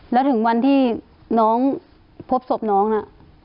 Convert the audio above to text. แล้วถึงวันที่น้องพบศพน้องน่ะ